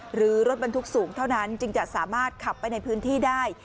หรือรถบรรทุกสูงเท่านั้นจึงจะสามารถขับไปในพื้นที่ได้